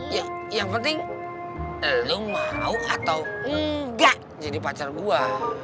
ya yang penting lu mau atau enggak jadi pacar gua